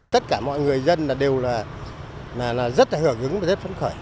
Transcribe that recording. tất cả mọi người dân đều rất hưởng ứng và rất phấn khởi